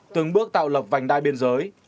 từng bước tạo lập vành đai biên giới